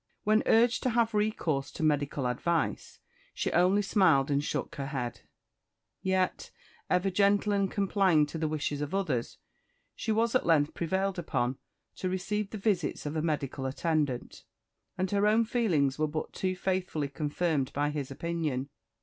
When urged to have recourse to medical advice she only smiled and shook her head; yet, ever gentle and complying to the wishes of others, she was at length prevailed upon to receive the visits of a medical attendant, and her own feelings were but too faithfully confirmed by his opinion.